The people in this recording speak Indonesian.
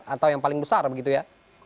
atau yang paling besar begitu ya